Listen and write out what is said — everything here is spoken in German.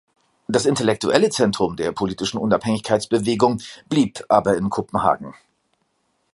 Das intellektuelle Zentrum der politischen Unabhängigkeitsbewegung blieb aber in Kopenhagen.